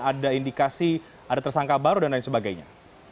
ada indikasi ada tersangka baru dan lain sebagainya